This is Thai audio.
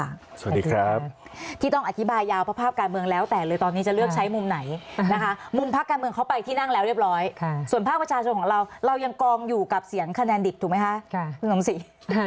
สวัสดีครับที่ต้องอธิบายยาวเพราะภาพการเมืองแล้วแต่เลยตอนนี้จะเลือกใช้มุมไหนนะคะมุมพักการเมืองเขาไปที่นั่งแล้วเรียบร้อยส่วนภาคประชาชนของเราเรายังกองอยู่กับเสียงคะแนนดิบถูกไหมคะคุณสมศรี